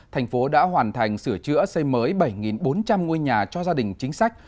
thành phố đã hoàn thành sửa chữa xây mới bảy bốn trăm linh ngôi nhà cho gia đình chính sách